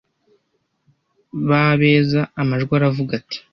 "Ba beza. Amajwi aravuga ati: